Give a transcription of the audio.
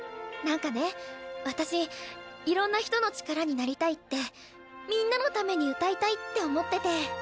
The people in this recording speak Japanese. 何かね私いろんな人の力になりたいってみんなのために歌いたいって思ってて。